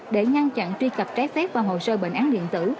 để ngăn chặn truy cập trái xét vào hồ sơ bệnh án điện tử